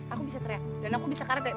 aku bisa teriak dan aku bisa karet ya